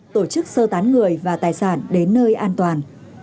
tổ chức sơ tán người và tài sản đến nơi an toàn